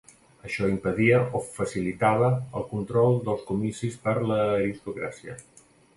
Això impedia o facilitava el control dels comicis per l'aristocràcia.